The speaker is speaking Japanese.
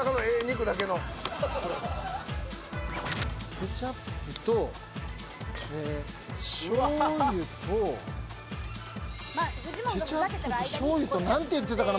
ケチャップとしょう油となんて言ってたかな？